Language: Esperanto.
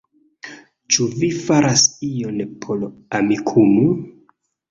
Ĉu vi faras ion por Amikumu?